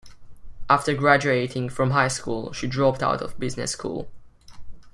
After graduating from high school, she dropped out of business school.